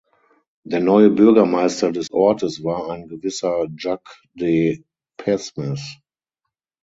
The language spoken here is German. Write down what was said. Der neue Bürgermeister des Ortes war ein gewisser Jacques de Pesmes.